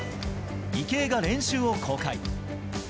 池江が練習を公開。